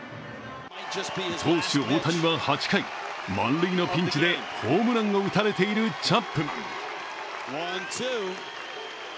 投手・大谷は８回、満塁のピンチでホームランを打たれているチャップマン。